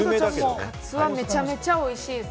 串カツはめちゃめちゃおいしいです。